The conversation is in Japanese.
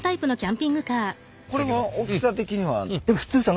これは大きさ的には。